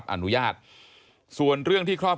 ที่มันก็มีเรื่องที่ดิน